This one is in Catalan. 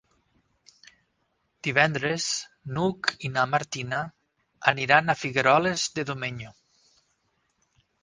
Divendres n'Hug i na Martina aniran a Figueroles de Domenyo.